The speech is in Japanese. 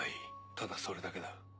ただそれだけだ。